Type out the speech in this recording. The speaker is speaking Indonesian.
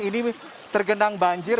ini tergenang banjir